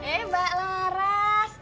eh mbak laras